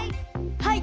はい！